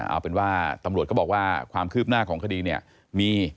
เอาเป็นว่าตำรวจก็บอกว่าความคืบหน้าของคดีเนี่ยมี